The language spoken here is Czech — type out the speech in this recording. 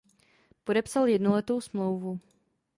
Podepsal jednoletou smlouvu.